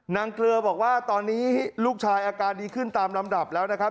เกลือบอกว่าตอนนี้ลูกชายอาการดีขึ้นตามลำดับแล้วนะครับ